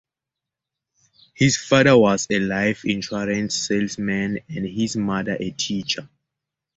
His father was a life insurance salesman and his mother a teacher.